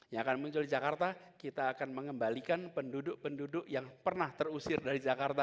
yang akan muncul di jakarta kita akan mengembalikan penduduk penduduk yang pernah terusir dari jakarta